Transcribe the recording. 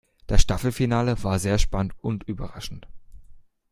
Das Staffelfinale war sehr spannend und überraschend.